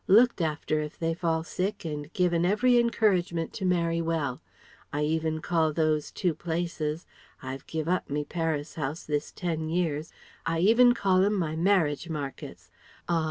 Looked after if they fall sick and given every encouragement to marry well. I even call those two places I've giv' up me Paris house this ten years I even call them my 'marriage markets.' Ah!